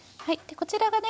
こちらがね